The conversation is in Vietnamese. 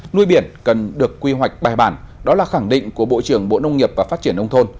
nuôi biển cần được quy hoạch bài bản đó là khẳng định của bộ trưởng bộ nông nghiệp và phát triển nông thôn